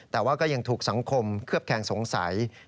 แต่ว่าก็ยังถูกสังคมเคลือบแคงสงสัย